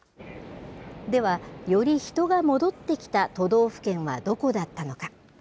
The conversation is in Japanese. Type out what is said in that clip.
では、より人が戻ってきた都道府県はどこだったのか。